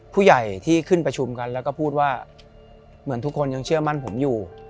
ผู้ใหญ่ที่ขึ้นประชุมกันแล้วก็พูดว่าเหมือนทุกคนยังเชื่อมั่นผมอยู่